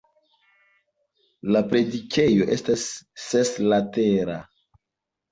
La predikejo estas seslatera.